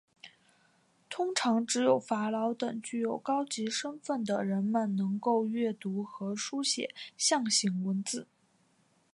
通常只有法老等具有高级身份的人们能够阅读和书写象形文字。